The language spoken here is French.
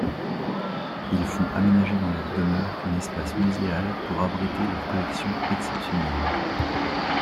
Ils font aménager dans leur demeure un espace muséal pour abriter leur collection exceptionnelle.